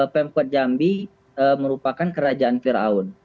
pemkot jambi merupakan kerajaan yang berpengaruh